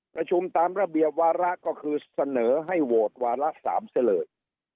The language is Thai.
ประชุมตามระเบียบวาระก็คือเสนอให้โหวตวาระ๓ซะเลย